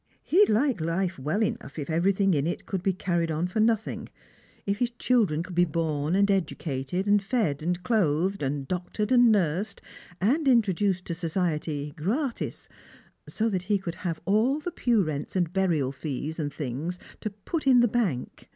" He'd like life well enough if everything in it could be carried on for nothing; If his children could be born and educated, and fed and clothed. Strangers and Pilgrims. 33 And doctored and nursed, and introduced to society gratis, so that he could have all the pew rents and burial fees and things to put in the bank.